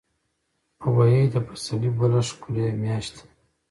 غویی د پسرلي بله ښکلي میاشت ده.